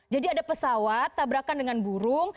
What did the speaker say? jadi ada pesawat tabrakan dengan burung